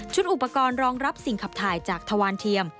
อุปกรณ์รองรับสิ่งขับถ่ายจากทวานเทียม